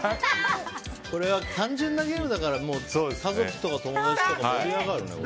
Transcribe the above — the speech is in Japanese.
単純なゲームだから家族とか友達とかと盛り上がるね。